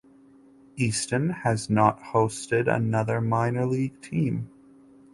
Easton has not hosted another minor league team.